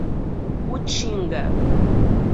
Utinga